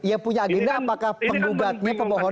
ia punya agenda apakah pembohonnya atau mk nya bang